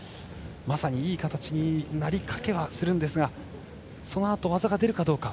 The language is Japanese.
まさに、いい形になりかけはするんですがそのあと技が出るかどうか。